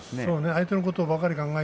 相手のことばかり考え